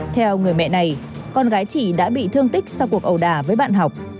theo người mẹ này con gái chị đã bị thương tích sau cuộc ầu đà với bạn học